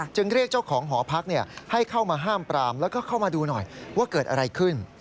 เรียกเจ้าของหอพักให้เข้ามาห้ามปรามแล้วก็เข้ามาดูหน่อยว่าเกิดอะไรขึ้น